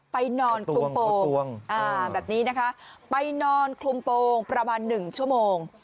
ไปนอนคลุมโปรงแบบนี้นะคะไปนอนคลุมโปรงประมาณ๑ชั่วโมง